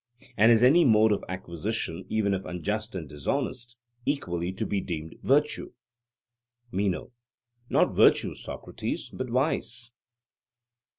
And is any mode of acquisition, even if unjust and dishonest, equally to be deemed virtue? MENO: Not virtue, Socrates, but vice.